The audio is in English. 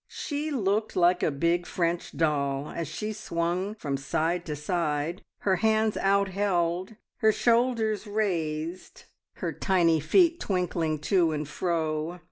She looked like a big French doll, as she swung from side to side, her hands outheld, her shoulders raised, her tiny feet twinkling to and fro.